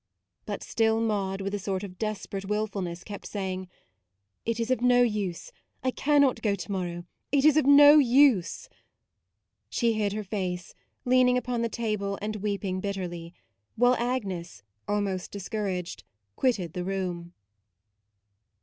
But still Maude, with a sort of desperate wilfulness, kept saying :" It is of no use ; I cannot go to morrow ; it is of no use." She hid her face, leaning upon the table and weeping bitterly ; while Agnes, al most discouraged, quitted the room.